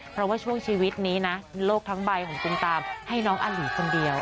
เพราะว่าช่วงชีวิตนี้นะโลกทั้งใบของคุณตามให้น้องอาหลีคนเดียว